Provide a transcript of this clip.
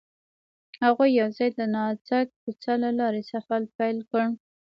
هغوی یوځای د نازک کوڅه له لارې سفر پیل کړ.